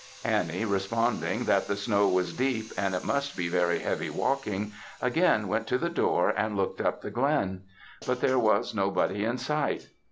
Annie responding that the snow was deep, and it must be very heavy walking, again went to the door and looked up the glen; but there was nobody in sight.